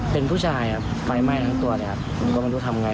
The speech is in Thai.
เป็นผู้ชายไฟไหม้ทั้งตัวผมก็ไม่รู้ทำไง